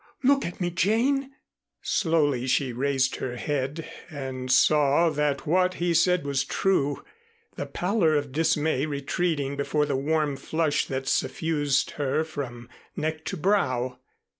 Look at me, Jane." Slowly she raised her head and saw that what he said was true, the pallor of dismay retreating before the warm flush that suffused her from neck to brow.